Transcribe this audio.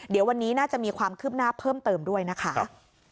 เดี๋ยววันนี้น่าจะมีความคืบหน้าเพิ่มเติมด้วยนะคะ